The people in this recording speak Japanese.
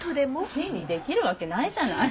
チィにできるわけないじゃない。